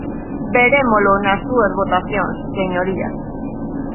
Verémolo nas súas votacións, señorías.